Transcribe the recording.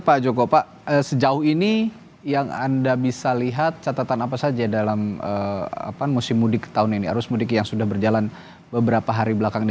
pak joko pak sejauh ini yang anda bisa lihat catatan apa saja dalam musim mudik tahun ini arus mudik yang sudah berjalan beberapa hari belakang ini